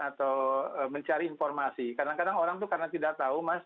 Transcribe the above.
atau mencari informasi kadang kadang orang itu karena tidak tahu mas